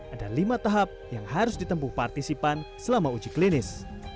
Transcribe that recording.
ada lima tahap yang harus ditempuh partisipan selama uji klinis